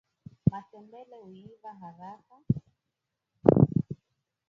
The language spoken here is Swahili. matembele huiva haraka